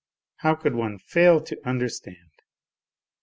How could one fail to under stand?